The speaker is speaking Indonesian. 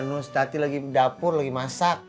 nustati lagi dapur lagi masak